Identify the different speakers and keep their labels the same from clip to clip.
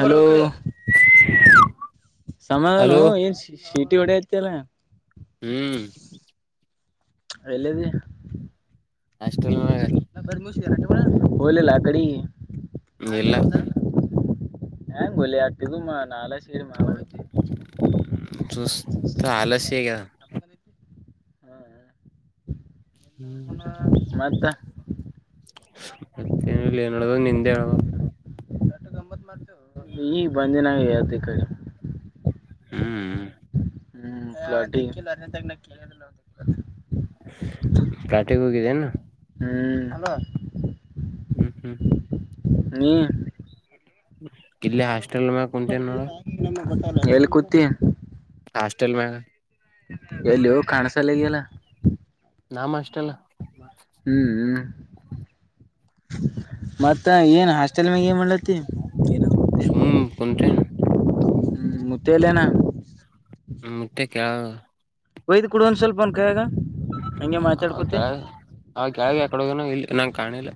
Speaker 1: ಹಾಲೋ ಸಮಾಧಾನ
Speaker 2: ಹಲೋ
Speaker 1: ಏನು [unintelligible] ಸಿಟ್. ಶಿಟಿ ಹೊಡೆಯಾಕತಿ ಅಲಾ.
Speaker 2: ಹ್ಮ್.
Speaker 1: ಎಲ್ಲೈದೀ.
Speaker 2: ಹಾಸ್ಟೆಲ್ ಹೋಳಗ.
Speaker 1: [unintelligible] ಹೋಗಲಿಲ್ಲ ಅಕಾಡಿ.
Speaker 2: ಇಲ್ಲ
Speaker 1: [unintelligible] ಹೆಂಗೋಲಿ ಆತಿಗುಮಾನಾ [unintelligible] ನಾಳೆ ಸೇರಿ.
Speaker 2: ಸುಸ್ತು ಆಲಸ್ಯ ಆಗ್ಯದ.
Speaker 1: [inaudible] ಹಾ ಹಾ. [unintelligible]
Speaker 2: ಹ್ಮ್
Speaker 1: ಮತ್ತ
Speaker 2: [unintelligible] ಮತ್ತೇನು ಇಲ್ಲಾ ಏನ್ ಹೇಳ್ಬೇಕು ನಿಂದೆ ಹೇಳ್ಬೇಕು.
Speaker 1: ಈಗ್ ಬಂದಿನಲ್ಲಾ ಹೇಳ್ಬೇಕು.
Speaker 2: ಹೂ ಹೂ.
Speaker 1: ಹ್ಮ್. [unintelligible]
Speaker 2: ಪ್ಯಾಟೆಗೋಗಿ ಏನೂ.
Speaker 1: [unintelligible] ಹ್ಮ್ ಹಾಲೋ.
Speaker 2: ಹ್ಮ್ ಹ್ಮ್. [unintelligible]
Speaker 1: ಹೂ. [unintelligible]
Speaker 2: ಇಲ್ಲೇ ಹಾಸ್ಟೆಲ್ ಒಳಗ ಕುಂತಿನಿ ನೋಡು.
Speaker 1: [unintelligible] ಎಲ್ಲಿ ಕೂತಿ.
Speaker 2: ಹಾಸ್ಟೆಲ್ ಒಳಗ.
Speaker 1: ಎಲ್ಲೋ ಕಾಣಸ್ತಾನೆ ಇಲ್ಲಾ ಅಲ್ಲಾ.
Speaker 2: ನಮ್ ಹಾಸ್ಟೆಲ್.
Speaker 1: ಹ್ಮ್ ಹ್ಮ್. [unintelligible] ಮತ್ತೇ ಏನ್ ಹಾಸ್ಟೆಲ್ ಒಳಗ ಏನ್ ಮಾಡ್ಲಿಕತಿ.
Speaker 2: ಸುಮ್ ಕುಂತೀನಿ.
Speaker 1: ಮುತ್ತೆ ಇಲ್ಲಾ ಏನ.
Speaker 2: ಮುತ್ಯಾ ಕೆಳಗ್ ಹೋದ.
Speaker 1: ವಯದ್ ಕೋಡು ಸ್ವಲ್ಪ ಅವನ್ ಕೈಯಾಗ. ಹಂಗೆ ಮಾತಾಡ್ಕೋತಿ
Speaker 2: ಹೌದಾ ಅವ ಕೆಳಗ್ ಯಾಕಡೆ ಹೋಗ್ಯಾನ ಇಲ್ಲಿತನ ನಂಗ ಕಾಣಿಲ್ಲ.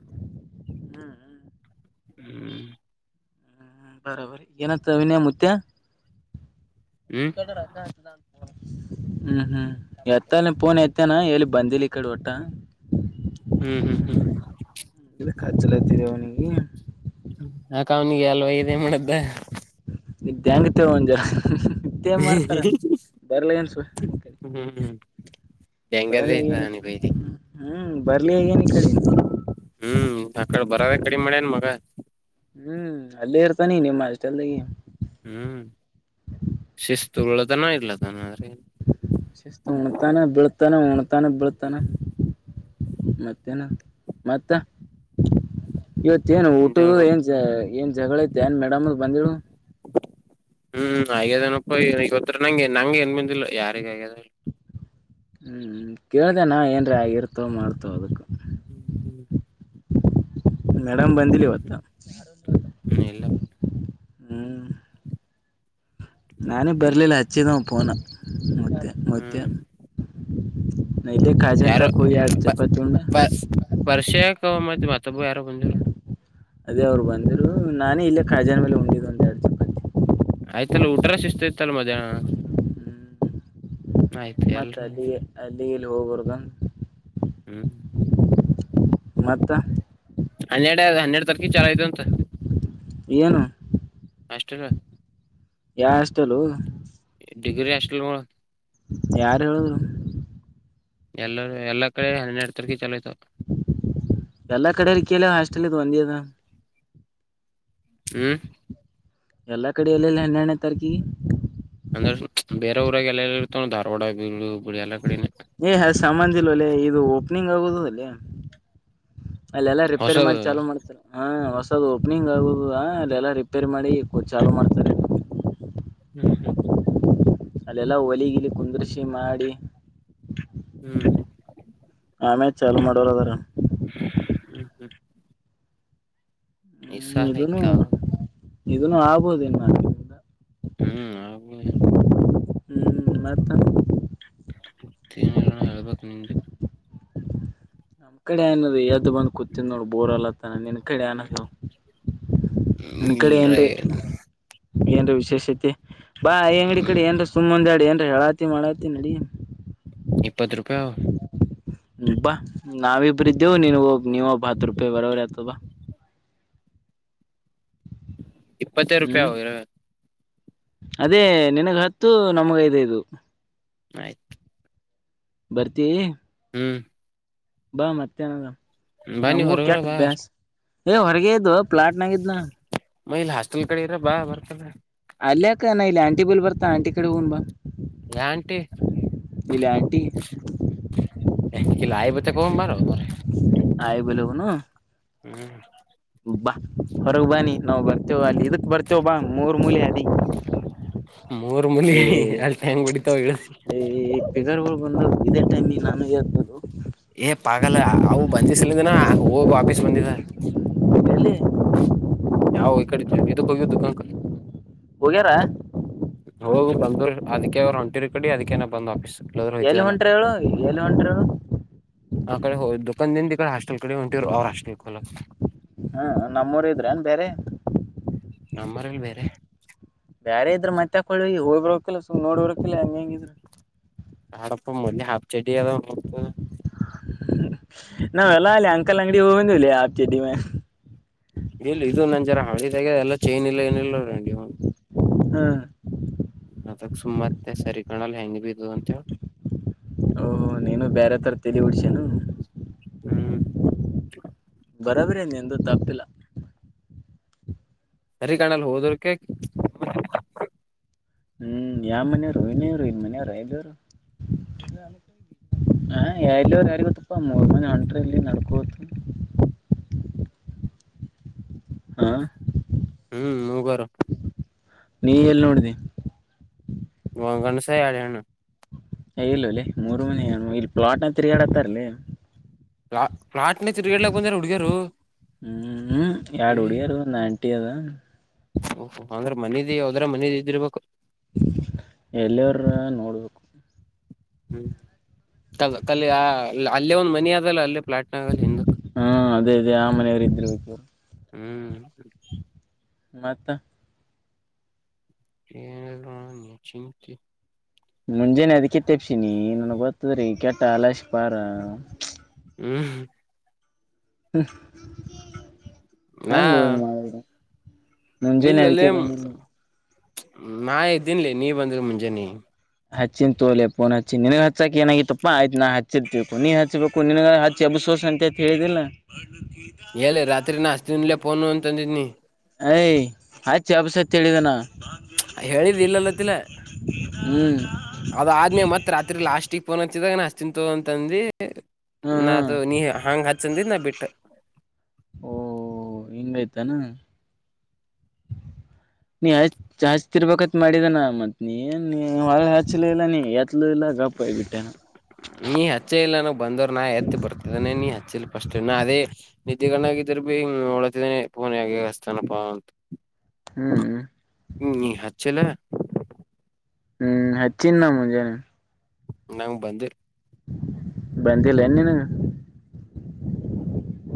Speaker 1: ಹ್ಮ್ ಹ್ಮ್. [unintelligible]
Speaker 2: ಹ್ಮ್. [unintelligible]
Speaker 1: ಬರೇಬರಿ ಏನತ್ವಿನ. [unintelligible] ಮುತ್ಯಾ.
Speaker 2: ಹ್ಮ್
Speaker 1: [unintelligible] ಹ್ಮ್ ಹ್ಮ್ ಹೆತ್ತಾನ ಪೋನ್ ಹೆತ್ತಾನ ಇಲ್ಲಿ ಬಂದಿಲ್ಲ ಈ ಕಡೆ ಓಟ್.
Speaker 2: ಹ ಹ ಹ
Speaker 1: ಎದ್ಕ ಹಚ್ಚಲಾತಿ ಅವನಿಗೆ.
Speaker 2: ಯಾಕ ಅವ್ನಿಗೆ ಅಲ್ವ ವೈದು ಏನು ಮಾಡಿದ್ದ.
Speaker 1: ಇದ್ದ್ಯಾಂಗತೇವ [unintelligible]
Speaker 2: ಹ್ಮ
Speaker 1: ಬರಲಿ ನ ಹ್ಮ್ ಬರ್ಲಿ ಈ ಕಡಿ.
Speaker 2: ಹ್ಮ್ ಆಕಡೆ ಬರೋದ ಕಡಮೇ ಮಾಡ್ಯನ್ ಮಗ.
Speaker 1: ಹ್ಮ್ ಅಲ್ಲೇ ಇರ್ತಾನಿ ನಿಮ್ಮ ಹಾಸ್ಟೆಲ್ ದಾಗೆ.
Speaker 2: ಹ್ಮ್ ಶಿಸ್ತು ಉಳ್ಳದನ [unintelligible] ಆದ್
Speaker 1: ಶಿಸ್ತ ಉಣತಾನ ಬಿಳತಾನ ಉಣತಾನ ಬಿಳತಾನ.
Speaker 2: ಹ್ಮ್
Speaker 1: ಮತ್ತೇನಾ ಮತ್ತ. ಇವತ್ತೇಏನು
Speaker 2: ನಿಂದ್
Speaker 1: ಊಟದ
Speaker 2: ಹೇಳ್ಬೇಕು
Speaker 1: ಏನ್ ಏನ್ ಜಗಳ ಏನ್ ಮೇಡಮದ ಬಂದಿಳು.
Speaker 2: ಹ್ಮ್ ಆಗ್ಯದೇನಪ್ಪನ ಇವತ್ರ್ ನಂಗೆ ನಂಗೆ ಏನ್ ಬಂದಿಲ್ಲ ಯಾರಿಗ ಆಗ್ಯದ ಏನ್
Speaker 1: ಹ ಅ ಕೇಳ್ದ ನಾವ ಏನ್ರೀ ಆಗ ಇರ್ತವ ಮಾಡ್ತವ ಅದಕ್ಕ.
Speaker 2: ಹ ಹ
Speaker 1: ಮೇಡಮ್ ಬಂದಿಲ್ಲ ಇವತ್ತ.
Speaker 2: ಹ ಇಲ್ಲ.
Speaker 1: ಹ್ಮ್ ನಾನು ಬರ್ಲಿಲ್ಲ ಅಚ್ಚಿದಾ ಅವ ಪೋನ ಮುತ್ಯ ಮುತ್ಯ.
Speaker 2: ಹ್ಮ್
Speaker 1: ನಾ ಇಲ್ಲೇ ಕಾಜಂತಕ ಹೋಗಿ ಯಾಡ್ ಚಪಾತಿ ಉಣ್ಣ.
Speaker 2: ಪ್ರಶ್ಯಕ ಮತ್ತೆ ಮತ್ತೊಬ್ಬು ಯಾರೋ ಬಂದಿರು.
Speaker 1: ಅದೇ ಅವ್ರು ಬಂದಿದ್ರು ನಾನೇ ಇಲ್ಲೇ ಕಾಜಾ ಬಲ್ಲಿ ಹೊಂಟಿ ಬಂದೆ.
Speaker 2: ಆಯ್ತಲ್ಲ ಊಟರ ಶಿಸ್ತತ್ತ ಅಲ್ಲ ಮಧ್ಯಾಹ್ನ.
Speaker 1: ಹ್ಮ್
Speaker 2: ಆಯ್ತು
Speaker 1: ಮತ್ತ
Speaker 2: ಎಲ್ರ
Speaker 1: ಅಲ್ಲಿಗೆ ಅಲ್ಲಿಗೆಲ್ಲಿ ಹೋಗ್ಬಾರ್ದುನ.
Speaker 2: ಹ್ಮ್.
Speaker 1: ಮತ್ತ್.
Speaker 2: ಹನ್ನೆರಡ ಹನ್ನೆಡ ತಾರಿಕ್ ಚಾಲು ಐತಂತ.
Speaker 1: ಏನು
Speaker 2: ಹಾಸ್ಟೆಲ್
Speaker 1: ಯಾ ಹಾಸ್ಟೆಲೋ
Speaker 2: ಡಿಗ್ರಿ ಹಾಸ್ಟೆಲ್ಗಳು
Speaker 1: ಯಾರು ಹೇಳ್ರದ್ರು.
Speaker 2: ಎಲ್ಲರ ಎಲ್ಲ ಕಡೆ ಹನ್ನೆರಡು ತಾರಿಕ್ ಚಲೋಆಯ್ತ್.
Speaker 1: ಎಲ್ಲಾ ಕಡಲಿಕೇಳ ಹಾಸ್ಟೆಲ ಇದು ಒಂದೆ ಹಾದ.
Speaker 2: ಹು.
Speaker 1: ಎಲ್ಲಾ ಕಡ ಎಲ್ಲೆಲಿ ಹನ್ಯಡನೇ ತಾರಾಕಿ.
Speaker 2: ಅಂದ್ರ ಬೇರೆ ಊರಾಗ ಎಲ್ಲ ಎಲ್ಲ ಇರ್ತವ ಧಾರವಾಡ ಹುಬ್ಬಳ್ಳಿ ಎಲ್ಲ ಕಡೆನೇ.
Speaker 1: ಏ ಅ ಸಂಭಂದ ಇಲ್ವ ಓಲೆ ಇದು ಓಪನಿಂಗ್ ಆಗುದದಲ್ಲಿ ಅಲ್ಲೆಲ್ಲ ರಿಪೇರ್ ಮಾಡಿ
Speaker 2: ಹೊಸದು
Speaker 1: ಚಾಲೋ ಮಾಡ್ತಾರ. ಹಾ ಹೊಸದು ಓಪನಿಂಗ್ ಆಗುದದ ಅಲ್ಲಲ್ಲಾ ರಿಪೇರ್ ಮಾಡಿ ಚಾಲು ಮಾಡ್ತಾರೆ.
Speaker 2: ಹ್ಮ್ ಹ್ಮ್.
Speaker 1: ಅಲ್ಲೆಲ್ಲಾ ಒಲಿಗಿಲಿ ಕುಂದ್ರಸಿ ಮಾಡಿ.
Speaker 2: ಹ್ಮ್.
Speaker 1: ಆಮೇ ಚಾಲು ಮಾಡೋರು ಅದರ.
Speaker 2: ಹ್ಮ್ ಹ್ಮ್.
Speaker 1: ಹ್ಮ್ ಇದನು
Speaker 2: ನಿಸ್ಸಾಹಾಯ್ಕ
Speaker 1: ಇದನು ಆಗಬಹುದಿನ್ ಇನ್ಮೇಲಿಂದ.
Speaker 2: ಹ [unintelligible]
Speaker 1: ಹ್ಮ್ ಮತ್ತ್
Speaker 2: ಮತ್ತ್ ನಿಲ್ಲಾಣ್ಣ ಹೇಳ್ಬೇಕಕ್ ನಿಮ್ದೆ
Speaker 1: ನಮ್ ಕಡೆ ಅನ್ನನದು ಎದ್ದು ಬಂದ್ ಕೂತನ್ ನೋಡು ಬೋರ್ ಅಲ್ಲತ್ತಾನ ನಿನ್ ಕಡೆ ಅನದವು [unintelligible]
Speaker 2: ಇಲ್ಲ ರ [inaudible] [unintelligible]
Speaker 1: ಏನ್ರ ವಿಶೇಷತೆ ಬಾ ಅಂಗಡಿ
Speaker 2: ಹ್ಮ್
Speaker 1: ಕಡೆ ಏನ್ರ ಸುಮ್ಮ್ಂದ್ಯಾಡ ಏನ್ರ ಹೇಳ ಹತೆ ಮಾಡಡಾವತಿ ನಡಿಯ
Speaker 2: ಇಪ್ಪತ್ತು ರೂಪಾಯ
Speaker 1: ಬಾ ನಾವಿಬ್ಬರು ಇದಿದ್ದೇವು ನೀನ್ ಒಬ್ ನೀವೊಬ್ಬ ಹತ್ತು ರೂಪಾಯಿ ಬರೋರಿ ಆತ ಬಾ
Speaker 2: ಇಪ್ಪತ್ತೈದು ರೂಪಾಯಿ
Speaker 1: ಹ್ಮ್
Speaker 2: ಅವು ಇರೋದ್
Speaker 1: ಅದೇ ನಿನಗ್ ಹತ್ತು ನಮಗ ಐದೈದು
Speaker 2: ಆಯ್ತು
Speaker 1: [inaudible] ಬರ್ತೀ
Speaker 2: ಹ್ಮ್
Speaker 1: ಬಾ ಮತ್ತೆನದ
Speaker 2: ಬಾ ನೀವ್
Speaker 1: ನಮಗೂ
Speaker 2: ಹೊರಗರ
Speaker 1: ಕೆಟ್ಟ
Speaker 2: ಬಾ
Speaker 1: ಅ ಬ್ಯಸ್ ಏ ಹೊರಗೆ ಇದ್ದ ಪ್ಲಾಟ್ನಾಗಿದ್ನ
Speaker 2: ಮೈಲ್ ಹಾಸ್ಟೆಲ್ ಕಡೆ ಇರ ಬಾ ಬರ್ತಾರ
Speaker 1: ಅಲ್ಲ ಅಕ ನ ಇಲ್ಲಿ ಆಂಟಿ ಬಳ ಬತಾ ಆಂಟಿ ಕಡೆ ಹ್ ಬಾ
Speaker 2: ಯ ಆಂಟಿ
Speaker 1: ಇಲ್ಲಿ ಆಂಟಿ
Speaker 2: [inaudible] ಎ ಆಯಬ್ಬು ತ್ತೆ ಕ್ ಬಾರೋ ಮರ್ರೆ
Speaker 1: ಆಯ ಬಲನು
Speaker 2: ಹ್ಮ್
Speaker 1: ಬಾ ಹೊರಗ ಬಾನಿ ನಾವವು ಬರ್ತೇವ ಅಲ್ಲಿ ಇದಕ್ ಬರ್ತೇವಿ ಬ್ ಮೂರ್ ಮೂಲೆ ಅದಿ ಹ
Speaker 2: ಮೂರ್ ಮುಲಿ
Speaker 1: ಹೇ
Speaker 2: ಅಲ್ಲಿ ಹೆಂಗ್ ಹೊಡಿತಾವ ಹೇಳ
Speaker 1: ಹೇ ಈ ಫಿಗರ್ ಬದ್ವ ಇದೇ ಟೈಮಿಗೆ ನಾನು ಹೆದ್ದೋಲೋ
Speaker 2: ಏ ಪಾಗಲ್ಲ ಅವು ಬಂಂದಿಸಲಿಂದಿನ ಹೋಗ ಆಫೀಸ್ ಬಂದಿದ
Speaker 1: ಬೆ [unintelligible] [inaudible]
Speaker 2: ಯಾವ ಈ ಕಡೆ ಇದಕ್ಕ ಹೋಗುದುು ಕಂಕ
Speaker 1: ಹೋಗ್ಯಾರಾ
Speaker 2: ಹೋಗ್ ಬಂದ್ರು ಅದಕ ಅವ್ರ ಹೊಂರ ಕಡಿ ಅದಕೇನ ಬಂದ ಹ
Speaker 1: ಎಲ್ಲಿ ಹೊಂಟ್ರ ಏಳು ಎಲ್ಲಿ ಹೊಂಟ್ರವು
Speaker 2: ಆ ಕಡೆ ಹೋ್ ದದುಕಂದದಿಂದ ಈಡೆ ಹಾಸ್ಟಲ್ಡೆ ಹೊಂಟ್ ಅವ್ರ ಹಸ್ೆಲ್ೋಕ್
Speaker 1: ಹ್ಮ ನಮ್ಮೂರ್ ಇದ್ರೆನ್ ಬೇರೆ
Speaker 2: ನಮ್ಮರಲ್ಲಿ ಬೇರೆ
Speaker 1: ಬೇರೆ ಇದ್ರರು ಮತ್ತೆಕ್ಕಳ ಹೋಗಿರಕಿಲ್ಲ ಸು ನೋಡ್ಬರಕ್ಕಿಲ್ಲ ಹೆಂಗ ಹೆಂಗಿದ್ರರು
Speaker 2: ಬ್ಯಾಡಪ್ಪ ಮೊಲಿ ಹಾಪ್ ಚಡಿ ಅದಾವತ [unintelligible]
Speaker 1: ನ ವಲ್ಲ ಅಲ್ಲಿ ಅಂಕಲ್ ಅಂಗಡಿ ಹೋಗಿ ಬಂದ್ವಿ ಆಫಚಡ್ದಿಮೇಲೆ
Speaker 2: ಇಲ್ಲಿ ಇದು ನನ್ ಜರ ಹಳಿ ಆದೆ ಎಲ್ಲ ಚೈನ್ ಇಲ್ಲ ಏನಿಲ್ಲಲ್ಲ [unintelligible]
Speaker 1: ಹಾ
Speaker 2: ಅದಕ್ ಸುಮತ್ತೆ ಸರಿ ಕಾಣಲ್ಲ ಹೆಂಗ ಬಿದದು ಅಂತೇಳಿ
Speaker 1: ಓಹ ನೀನು ಬೇರೆ ಥರ ತಲೆ ಉಡ್ಸೇನು
Speaker 2: ಹ್ಮ್
Speaker 1: ಬರಬ್ರೆ ನಿಂದು ತಪಿಲ್ಲ
Speaker 2: ಸರಿ ಕಣಲ್ ಹೋದ್ರಕ
Speaker 1: ಹ್ಮ್ ಯಾವ ಮನೆಯವರು ಇನೇವರು ಇನ್ ಮನೆಯವರು ಇದವರು ಹ ಎಲ್ಲರು ಯಾರ ಗತ್ತಪ್ಪ ಮೂರ್ ಮನ ಹೊಂಟ್ರ ಇಲ್ಲಿ ನಡ್ಕೋತ್ತು ಆ
Speaker 2: ಹ್ಮ್ ಮುಗರ
Speaker 1: ನೀ ಎಲ್ಲಿ ನೋಡಿದಿ.
Speaker 2: ಒಂಗಣ ಸ [unintelligible]
Speaker 1: ಎ ಇಲ್ಲ ಓಲೆ ಮೂರು ಮನೆ ಏನ್ ಇಲ್ಲಿ ಪ್ಲಾಟ್ನ ತಿರುಗಾಡತ್ತಾರಲೇ.
Speaker 2: ಪ್ಲಾ ಪ್ಲಾಟ್ನ್ಯಾಗ್ ತಿರ್ಗಾಯಾಡ್ಲಾಕ ಬಂದರ ಉಡಗ್ಯಾರು.
Speaker 1: ಹ್ಮ್ ಹ್ಮ್ ಎಡ ಹುಡಗ್ಯಾರ್ ಒಂದ್ ಆಂಟಿ ಅದ.
Speaker 2: ಓಹ್ ಅಂದ್ರೆ ಮನದಿ ಯಾವದ್ರ ಮನದಿ ಇದಿರ್ಬೇಕ.
Speaker 1: ಎಲ್ಲಿವರ್ರರ ನೋಡ್ಬೇಕು.
Speaker 2: ಹ್ಮ್ ಅಲ್ಲಿ ಅಲ್ಲೇ ಒಂದ್ ಮನಿ ಆದಲ್ಲ ಅಲ್ಲೇ ಪ್ಲಾಟ್
Speaker 1: ಹಾ ಅದೇ ಅದೆೇ ಆ ಮನೆಯವರು ಇದ್ದಿರ್ಬೇಕು ಇವ್ರ್.
Speaker 2: ಹ್ಮ್.
Speaker 1: ಮತ್ತ.
Speaker 2: ಏನಿಲ್ಲ ನೋಡ್ ನಿ ಚಿಂತಿ.
Speaker 1: ಮುಂಜಾನೆ ಅದಕ್ಕೆ ತೆಪ್ಸಿನಿ ನನ್ಗ್ ಗೊತ್ತದ್ರಿ ಕೆಟ್ಟ ಅಲಶ ಪಾರ.
Speaker 2: ಹ್ಮ್.
Speaker 1: ಹೆಂಗೋ ಹಿಂಗ್ ಮಾಡಿದ್ರ್.
Speaker 2: ಇಲ್ಲಲೇ ನಾ ಎದ್ದನ್ಲಿ ನೀ ಬಂದಿಲ್ಲ ಮುಂಜಾನೆ.
Speaker 1: ಹಚ್ಚಿನ ತೋಲೆಪ್ಪೋ ಹಚ್ಚಿ ನಿನಗ್ ಹಚ್ಚಾಕ ಏನಾಗಿತಪ್ಪ್ ಆಯ್ತ್ ನಾ ಹಚ್ಚಿದ್ದು ತಿಳ್ಕೊ ನೀನ್ ಹಚ್ಬೇಕು. ನಿನಗ ಹಚ್ಚಿ ಎಬ್ಸಿಸ್ ಅಂತ ಕೇಳಿದಿಲ್ಲ.
Speaker 2: [unintelligible] ಎಲ್ಲಿ ರಾತ್ರಿ ನಾ ಅಚ್ತಿನಲ್ಲ ಫೋನ್ ಅಂತ ಅಂದಿದ್ದನಿ.
Speaker 1: ಐ ಹಚ್ಚ ಎಬಸ್ ಅಂತ ಹೇಳಿದನ.
Speaker 2: ಹೇಳಿದಿ ಇಲ್ಲಾಲ್ಲತಿಲ್ಲ.
Speaker 1: ಹ್ಮ್
Speaker 2: ಅದ ಆದ್ಮ್ಯಾ ಮತ್ತ್ ರಾತ್ರಿ ಲಾಸ್ಟಗ್ ಪೋನ್ ಹಚ್ಚಿದಾಗ ನಾ ಹಚ್ತಿನಿ ತಗೋ ಅಂತ ಅಂದಿ.
Speaker 1: ಹ್ಮ್
Speaker 2: ನಾ
Speaker 1: ಹ್ಮ್
Speaker 2: ಅದು ನೀ ಹಾಂಗ ಹಚ್ಚಂದಿ ನಾ ಬಿಟ್ಟ.
Speaker 1: ಓಹ ಹಿಂಗಾಯ್ತನ.
Speaker 2: [unintelligible]
Speaker 1: ನೀಯ್ ಚಾಚ್ತಿರ್ಬೇಕತ್ ಮಾಡಿದಾನ ಮತ್ ನೀ ಏನ್ ನೀ ಹೊಳ್ಳಿ ಹಚ್ಲ ಇಲ್ಲ ನೀ ಎತ್ಲುೂ ಇಲ್ಲ ಗಪ್ ಆಗಿಬಿಟ್ಟೇನ.
Speaker 2: ನೀ ಹಚ್ಚಿ ಇಲ್ಲನ ಬಂದ್ರ ನಾ ಎತ್ ಬರ್ತಿದ್ದಾನನೆ ನೀ ಹಚ್ಚಿಲ್ ಫಸ್ಟ್ ನಾ ಅದೇ. ನಿದ್ದೆ ಗಣ್ಣಾಗಿದ್ರ ಭೀ ನೋಳತಿದಾನನೆ ಪೋನ ಹೆಗೆ ಹಸ್ತನಪಾ ಅಂತ.
Speaker 1: ಹಅ
Speaker 2: ಹ್ಮ್ ನೀ ಹಚ್ಚಲ್.
Speaker 1: ಹ್ಮ ಹಚ್ಚಿನಾ ಮುಂಜಾನೆ.
Speaker 2: ನಂಗ್ ಬಂದಿಲ.
Speaker 1: ಬಂದಿಲ್ಲ ಏನ್ ನಿನಗ.
Speaker 2: [unintelligible]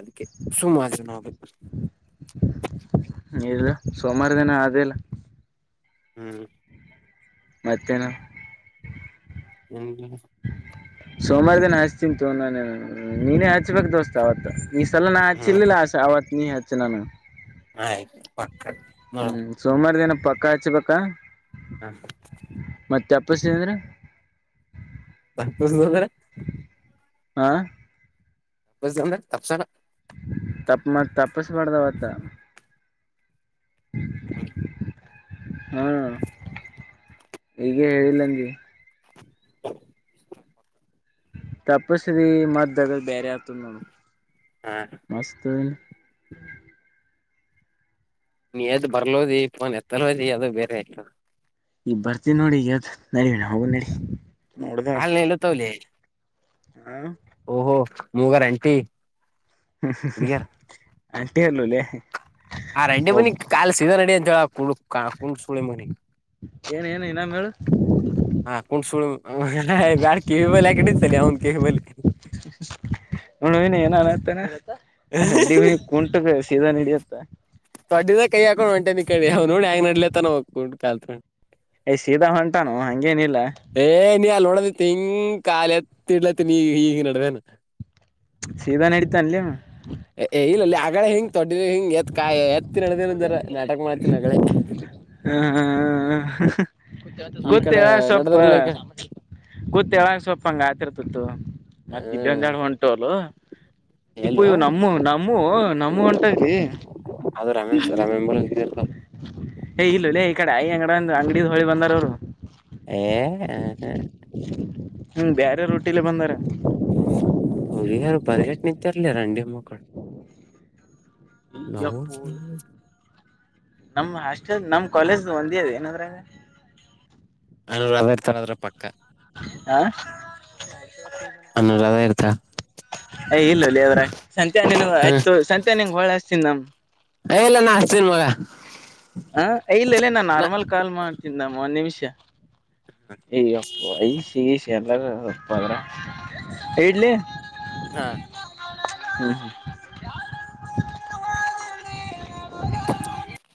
Speaker 2: ಅದಕ್ಕೆ ಸುಮು ಆದವಿ ನಾವ್.
Speaker 1: [unintelligible] ಸೋಮಾರದಿನ ಅದೆಲ್ಲ.
Speaker 2: ಹ್ಮ್.
Speaker 1: ಮತ್ತೇನು.
Speaker 2: ಏನಿಲ್ಲಣ್ಣ.
Speaker 1: ಸೋಮಾರದಿನ ಹಚ್ತಿನಿತೊ ನಾ ನಿನಗ ನಿನ ಹಚ್ಬೇಕ ದೋಸ್ತ್ ಅವತ್ತು ಈ ಸಲ ನಾ
Speaker 2: ಹ್ಮ್
Speaker 1: ಹಚ್ಚಿಲ್ಲಿಲ್ಲ ಅವತ್ತ ನೀ ಹಚ್ಚ ನನ
Speaker 2: ಆಯ್ತು ಪಕ್ಕ ನೋಡ
Speaker 1: ಸೋಮಾರ ದಿನ ಪಕ್ಕಾ ಹಚ್ಚಬೇಕಾ.
Speaker 2: ಹ್ಮ
Speaker 1: ಮತ್ತೆ ತಪ್ಪಿಸಿದೆ ಅಂದ್ರೆ
Speaker 2: ಬ್ರ
Speaker 1: ಹಾ
Speaker 2: ಬ ಅ ತಪ್ಸರ
Speaker 1: ತಪ್ಪ ಮ ತಪ್ಪಸ್ ಪಡ್ದಾವತ್ತ
Speaker 2: ಹ್ಮ
Speaker 1: ಹಾ ಈಗ ಹೇಳಿಲ್ಲಂಗೆ ತಪ್ಪಿಸ್ದಿ ಮತ್ ಅದು ಬೇರೆ ಆಗ್ತ ನೋಡ
Speaker 2: ಹಾಂ
Speaker 1: ಮಸ್ತ
Speaker 2: ನೀ ಎದ್ ಬರ್ಲೋದಿ ಇ ಪನ್ ಎತ್ತಲೋದಿ ಅದು ಬೇರೆ ಆಯತ
Speaker 1: ಈಗ ಬರ್ತೀ ನೋಡಿಗ್ದ ಎದ್ದ ಹೋಗೋ ನಡಿ
Speaker 2: ಹಾಲ ಹೇಳಲ್ಲ ತಾವಲಿ
Speaker 1: ಹಾ
Speaker 2: ಓಹೋ ಮೂಗರ ಆಂಟಿ
Speaker 1: ಆಂಟಿ ಅಲ್ಲಅಲೆ
Speaker 2: ಆ ರಂಡಿ ಮಗನಿಗೆ ಕಾಲ್ ಸೀದಾ ನಡಿ ಅಂತ ಅಂತೇಳ ಕು ಕುಂಟ ಸುಳಿ ಮಗನಿಗೆ
Speaker 1: ಏನ ಏನು ಇನ್ನೊಮ್ಮೆ ಹೇಳು
Speaker 2: ಹಾ ಕು ಸು ಬಳ ಕಿ ಬಲ್ಯಕಡೆ ಚ ಅವನು ಕಿವ ಬಲ್
Speaker 1: ನೋಡವಿನ ಏನ್ ಅನತ್ತ ಕುಂಟ ಸೀದಾ ನಡಿಯತ್ತ
Speaker 2: ತೊಡ್ಡದ ಕೈ ಹಕೊಂಡ ಹೊಂಟಾನ ಇಕಾಡಿ ಅವ ನೋಡಿ ಹೆಂಗ ನಡಲ ತ ಹೋಗೊಂಡು ಕುಂಟ ಕಾಲ ತಗೊಂಡೆ
Speaker 1: ಯ್ ಸೀದಾ ಹೊಂಟಾನು ಹಂಗೇನಿಲ್ಲ
Speaker 2: ಏ ನೀ ಅಲ್ಲ ನೋಡದ ತಿಂಗ ಕಾಲತ್ತ ಇಡ್ಲತ್ತ ನೀ ಹಗ ನಡವೇನು
Speaker 1: ಸೀಧಾ ನಡಿತಾಾನ್ಲೆ ಹವಾ
Speaker 2: ಇಲ್ಲಲ್ಲಿ ಆಗಳ ಹಿಂಗ ದೊಡ್ಡ ಹಿಂಗ್ ಎತ್ ಕಾಯ ಎತ್ತ ನಣದಂದರ ನಾಟಕ ಮಾಡ್ತನ್ ನಗಳೇ
Speaker 1: ಕತ್ತ ಹೇಳಾಕ ಸೊಪ್ಪ
Speaker 2: ಈಗ
Speaker 1: ಕೂತ್ಂಗ ಸೊಪ್ಪಂಗ ಹತಿರ್ತತ್ತು ಮತ್ತ ಇಲ್ಲಿಂದ
Speaker 2: ಹ್ಮ್
Speaker 1: ಎಡು ಹೊಂಟುಲ್ಲ ಇಪ್ಪು
Speaker 2: ಎಲ್ಲೋ
Speaker 1: ಇವು ನಮ್ಮ ನಮ್ಮೂ ನಮ್ಮೂ ಹೊಂಟಾಗ್ಲಿ
Speaker 2: ಅದು ರಮ ರಮ
Speaker 1: ಏ ಇಲ್ಲಲ್ಲ ಈ ಕಡೆಯ ಅಂಗಡ ಅಂಗಡ್ ಹೊಳಿ ಬಂದಾರ ಅವ್ರು
Speaker 2: ಏ ಹ ಹ್ಮ
Speaker 1: ಹ್ಮ್ ಬೇರೆ ರೊಟ್ಟಿಲಿ ಬಂದಾರ
Speaker 2: ಹುಡುಗಾರ ಬರ್ಗಟ್ ನಿಂತರ್ಲ ರಂಡಿ ಮಕ್ಕಳು ನವು
Speaker 1: ಯಪ್ಪು ನಮ್ ಹಾಸ್ಟೆಲ್ ನಮ್ ಕಾಲೇಜ್ ಒಂದೇದ ಏನಂದ್ರಂಗ
Speaker 2: ಹನ್ನ ಹದ ತರದ್ರ ಪಕ್ಕ
Speaker 1: ಆ
Speaker 2: ಅನ್ನ ಅದ ಇರ್ತ
Speaker 1: ಯ್ ಇಲ್ಲ ಅಲ್ಲಿ ಅದ್ರ ಸಂತೆ ನಿನ್ ಆಯ್ ಸಂತೆ ನಿನ್ಗೆ ಹೊಳ ಹಸ್ತನ್ ನಮ್
Speaker 2: ಲ್ಲ ನಾನ್ ಹಸ್ತೀನ್ ಮಗ
Speaker 1: ಹ ಇಲ್ಲಲ್ಲೇ ನಾನ್
Speaker 2: ನಾ
Speaker 1: ನಾರ್ಮಲ್ ಕಾಲ್ ಮಾಡ್ತನ್ ನಮ್ಮ ಒಂದ್ ನಿಮಿಷ ಈ ಅಪ್ಪ ಈ ಸಿಗ ಸ ಪ್ಪ್ರ ಇಡ್ಲಿ
Speaker 2: ಹಾ
Speaker 1: ಹ್ಮ್ ಹ್ಮ್
Speaker 2: [inaudible]